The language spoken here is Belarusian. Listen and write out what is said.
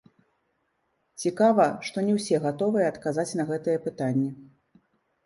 Цікава, што не ўсе гатовыя адказаць на гэтыя пытанні.